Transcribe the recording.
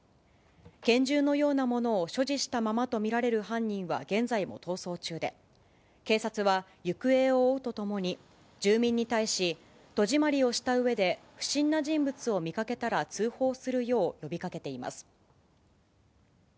拳銃のようなものを所持したままと見られる犯人は現在も逃走中で、警察は行方を追うとともに、住民に対し、戸締まりをしたうえで、不審な人物を見かけたら、通報するよう呼びかけています。